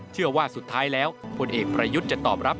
เชื่อว่าสุดท้ายแล้วผลเอกประยุทธ์จะตอบรับ